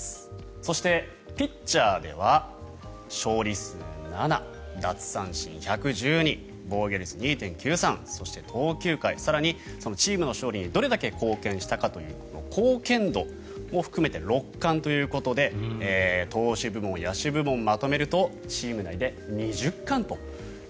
そして、ピッチャーでは勝利数７、奪三振１１２防御率２．９３そして投球回更にチームの勝利にどれだけ貢献したかという貢献度も含めて６冠ということで投手部門、野手部門まとめるとチーム内で２０冠と。